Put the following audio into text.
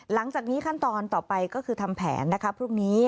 หลังจากนี้ขั้นตอนต่อไปก็คือทำแผนนะคะพรุ่งนี้